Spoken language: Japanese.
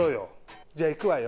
じゃ行くわよ？